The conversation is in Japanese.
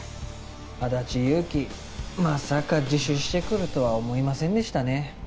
安達祐樹まさか自首してくるとは思いませんでしたね